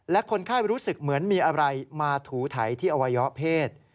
และคนไข้รู้สึกเหมือนมีอะไรมาถูไถที่อวัยวะเพศ